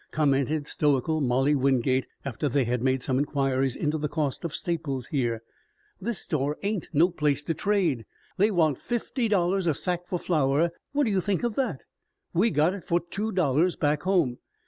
commented stoical Molly Wingate after they had made some inquiries into the costs of staples here. "This store ain't no place to trade. They want fifty dollars a sack for flour what do you think of that? We got it for two dollars back home.